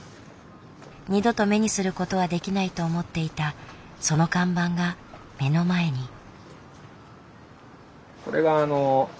二度と目にすることはできないと思っていたその看板が目の前に。